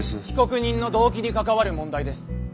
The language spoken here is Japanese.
被告人の動機に関わる問題です。